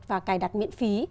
và cài đặt miễn phí